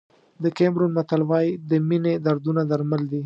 د کیمرون متل وایي د مینې دردونه درمل دي.